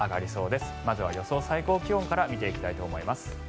まずは予想最高気温から見ていきたいと思います。